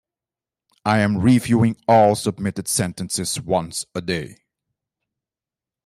I am reviewing all submitted sentences once a day.